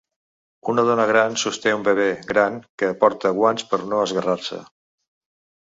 Una dona gran sosté un bebè gran que porta guants per no esgarrar-se.